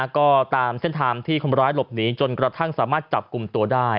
ก็ตามเส้นทางที่คนร้ายหลบหนีจนกระทั่งสามารถจับกลุ่มตัวได้